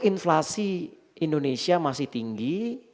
inflasi indonesia masih tinggi